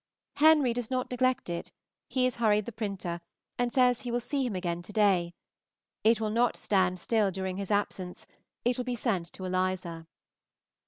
Henry does not neglect it; he has hurried the printer, and says he will see him again to day. It will not stand still during his absence, it will be sent to Eliza.